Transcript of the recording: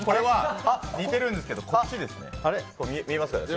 似てるんですけどこっちですね。